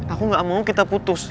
aku gak mau kita putus